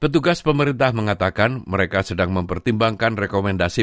petugas pemerintah mengatakan mereka sedang mempertimbangkan rekomendasi